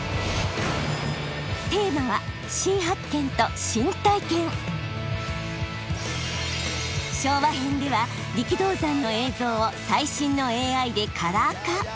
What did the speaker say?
テーマは昭和編では力道山の映像を最新のＡＩでカラー化。